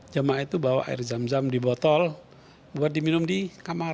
jemaah itu bawa air zam zam di botol buat diminum di kamar